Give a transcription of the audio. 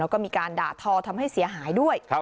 แล้วก็มีการด่าทอทำให้เสียหายด้วย